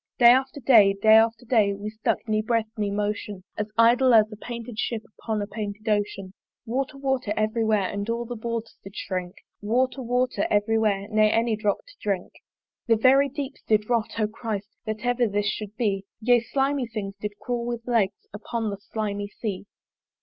Day after day, day after day, We stuck, ne breath ne motion, As idle as a painted Ship Upon a painted Ocean. Water, water, every where And all the boards did shrink; Water, water, every where, Ne any drop to drink. The very deeps did rot: O Christ! That ever this should be! Yea, slimy things did crawl with legs Upon the slimy Sea.